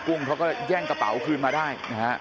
กุ้งก็แย่งกระเป๋าคืนมาได้